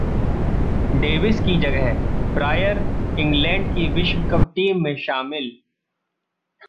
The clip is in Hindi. डेविस की जगह प्रायर इंग्लैंड की विश्व कप टीम में शामिल